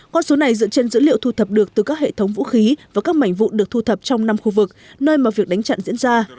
con số này dựa trên dữ liệu thu thập được từ các hệ thống vũ khí và các mảnh vụn được thu thập trong năm khu vực nơi mà việc đánh chặn diễn ra